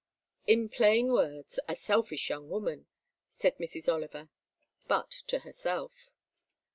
"In plain words, a selfish young woman," said Mrs. Oliver, but to herself.